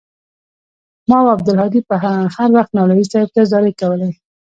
ما او عبدالهادي به هروخت مولوى صاحب ته زارۍ کولې.